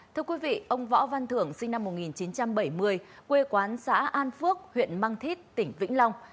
thưa quý vị ông võ văn thưởng sinh năm một nghìn chín trăm bảy mươi quê quán xã an phước huyện mang thít tỉnh vĩnh long